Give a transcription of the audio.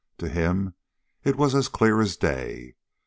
To him it was as clear as day.